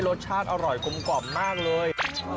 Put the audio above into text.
รสชาติอร่อยกลมมากเลย